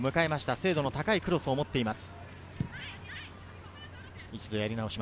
精度の高いクロスを持っています。